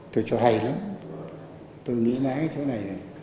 tôi cho hay lắm tôi nghĩ là cái chỗ này này